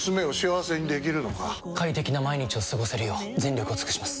快適な毎日を過ごせるよう全力を尽くします！